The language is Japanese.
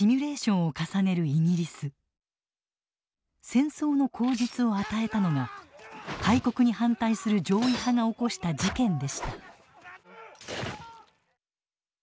戦争の口実を与えたのが開国に反対する攘夷派が起こした事件でした。